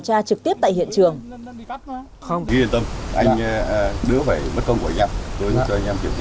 tra trực tiếp tại hiện trường không tự nhiên tâm anh đứa phải bất công của nhau tôi cho anh em kiểm